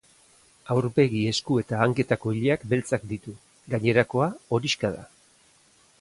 Aurpegi, esku eta hanketako ileak beltzak ditu; gainerakoa horixka da.